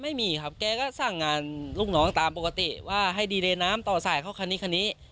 ไม่มีครับแกก็สั่งงานลูกน้องตามปกติว่าให้ดีเลน้ำต่อสายเข้าคันนี้คันนี้